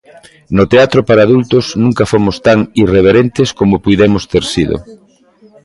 No teatro para adultos, nunca fomos tan irreverentes como puidemos ter sido.